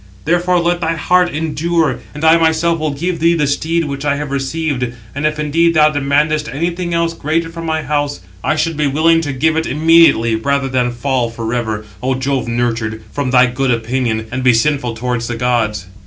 Therefore let thy heart endure, and I myself will give thee the steed which I have received. And if indeed thou demandest anything else greater from my house, I should be willing to give it immediately rather than fall for ever, Ο Jove nurtured, from thy good opinion, and be sinful towards the gods."